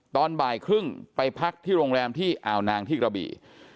ตอนบ่ายครึ่งไปพักที่โรงแรมที่อ่าวนางที่กระบี่